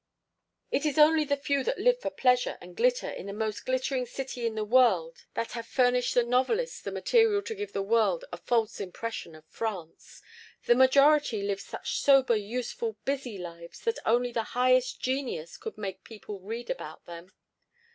"It is only the few that live for pleasure and glitter in the most glittering city in the world that have furnished the novelists the material to give the world a false impression of France. "The majority live such sober, useful, busy lives that only the highest genius could make people read about them.